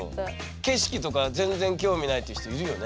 景色とか全然興味ないっていう人いるよね。